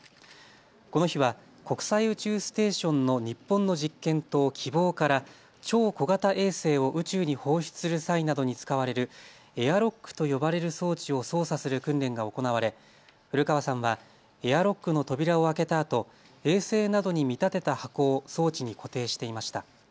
この日は国際宇宙ステーションの日本の実験棟、きぼうから超小型衛星を宇宙に放出する際などに使われるエアロックと呼ばれる装置を操作する訓練が行われ古川さんはエアロックの扉を開けたあと衛星などに見立てた箱を装置に固定していました。